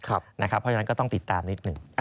เพราะฉะนั้นก็ต้องติดตามนิดหนึ่ง